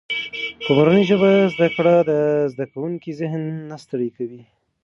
په مورنۍ ژبه زده کړه د زده کوونکي ذهن نه ستړی کوي.